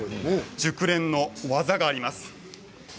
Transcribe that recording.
熟練の技があります。